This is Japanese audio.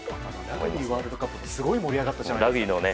ラグビーワールドカップもすごい盛り上がったじゃないですか。